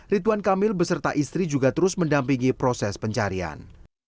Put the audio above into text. rituan kamil beserta istri juga terus mendampingi proses pencarian